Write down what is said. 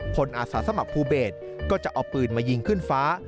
อาสาสมัครภูเบศก็จะเอาปืนมายิงขึ้นฟ้า